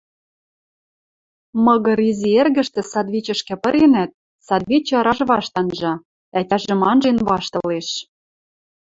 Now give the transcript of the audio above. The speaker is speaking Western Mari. Мыгыр изи эргӹштӹ садвичӹшкӹ пыренӓт, садвичӹ ыраж вашт анжа, ӓтяжӹм анжен ваштылеш.